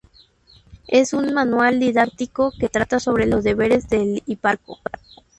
Es un manual didáctico que trata sobre los deberes del hiparco.